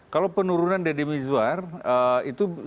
kalau penurunan deddy miswar itu bisa kita lihat di jawa barat